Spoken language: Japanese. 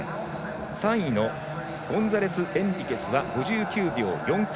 ３位のゴンサレスエンリケスは５９秒４９。